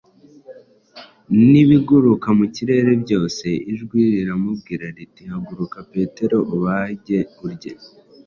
n’ibiguruka mu kirerere byose. Ijwi riramubwira riti: “Haguruka Petero, ubage urye.”